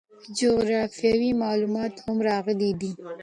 جغرافیوي معلومات هم راغلي دي.